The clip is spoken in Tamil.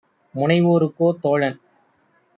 முனைவோருக்கோ தோழன்!